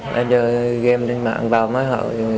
đang chơi game tên mạng vào mới họ